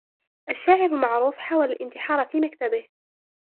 الشاعر المعروف حاول الإنتحار في مكتبه.